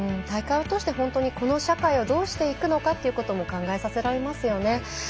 大会を通して本当にこの社会をどうしていくのかということも考えさせられますよね。